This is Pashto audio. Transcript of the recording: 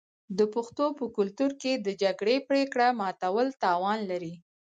د پښتنو په کلتور کې د جرګې پریکړه ماتول تاوان لري.